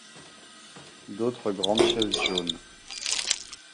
D'autres grandes chaises jaunes.